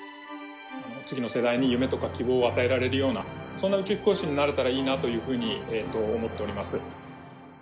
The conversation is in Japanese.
次の世代に夢とか希望を与えられるような、そんな宇宙飛行士になれたらいいなというふうに思っております。